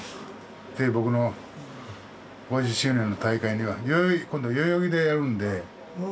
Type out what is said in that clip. ぜひぼくの５０周年の大会には今度代々木でやるんではい。